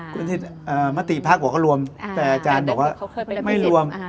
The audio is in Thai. คุณอภิษฐ์มะติพักก็รวมแต่จานบอกว่าไม่รวม